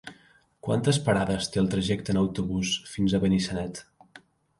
Quantes parades té el trajecte en autobús fins a Benissanet?